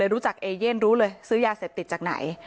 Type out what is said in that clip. รู้จักเอเย่นรู้เลยซื้อยาเสพติดจากไหน